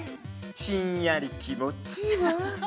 ひんやり気持ちいいわあ。